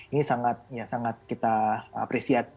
ini juga sangat kita apresiat